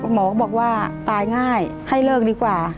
หมอก็บอกว่าตายง่ายให้เลิกดีกว่า